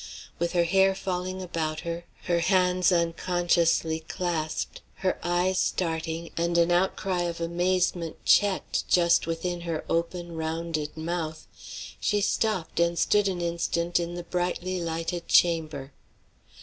With her hair falling about her, her hands unconsciously clasped, her eyes starting, and an outcry of amazement checked just within her open, rounded mouth, she stopped and stood an instant in the brightly lighted chamber.